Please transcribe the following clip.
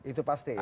itu pasti ya